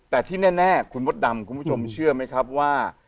แต่ที่แน่คุณมดดำคุณผู้ชมเชื่อไหมครับว่า